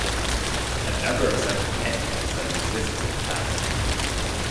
A number of such entities have existed in the past.